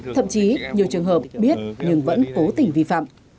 thậm chí nhiều trường hợp biết nhưng vẫn cố tình vi phạm